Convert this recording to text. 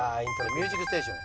『ミュージックステーション』。